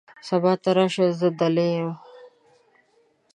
سبا ته راشه ، زه دلې یم .